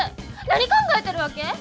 何考えてるわけ？